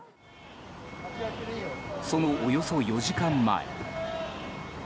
そのおよそ４時間前。